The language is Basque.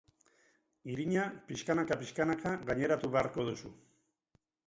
Irina pixkanaka-pixkanaka gaineratu beharko duzu.